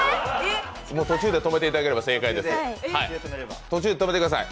途中で止めていただければ正解です。